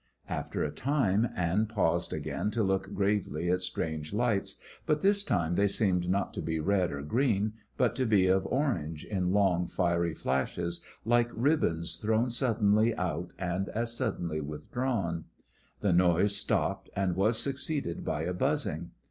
After a time Anne paused again to look gravely at strange lights. But this time they seemed not to be red or green, but to be of orange, in long, fiery flashes, like ribbons thrown suddenly out and as suddenly withdrawn. The noise stopped, and was succeeded by a buzzing.